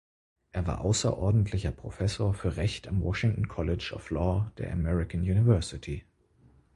Er war außerordentlicher Professor für Recht am Washington College of Law der American University.